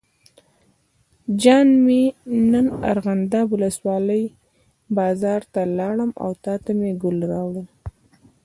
جان مې نن ارغنداب ولسوالۍ بازار ته لاړم او تاته مې ګل راوړل.